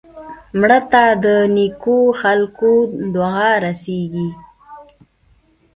مړه ته د نیکو خلکو دعا رسېږي